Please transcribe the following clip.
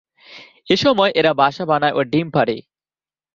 এসময় এরা বাসা বানায় ও ডিম পাড়ে।